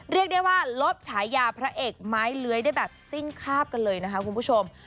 เรียกได้ว่าลบฉายาพระเอกไม้เลื้อยได้แบบสิ้นคราบกันเลยนะคะคุณผู้ชม